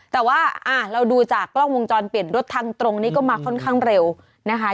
แต่ว่าเราดูจากกล้องวงจรปิดรถทางตรงนี้ก็มาค่อนข้างเร็วนะคะ